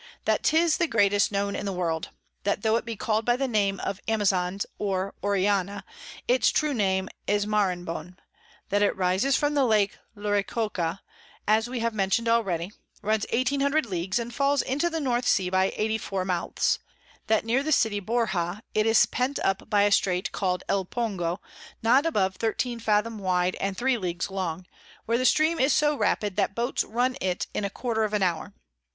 _ That 'tis the greatest in the known World: That tho it be call'd by the name of Amazons or Orellana, its true name is Maranhon: That it rises from the Lake Lauricocha, as we have mention'd already, runs 1800 Leagues, and falls into the North Sea by 84 Mouths: That near the City Borja it is pent up by a Strait call'd El Pongo, not above 13 Fathom wide and 3 Ls. long; where the Stream is so rapid, that Boats run it in a quarter of an hour.